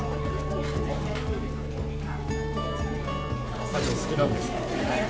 アサリお好きなんですか？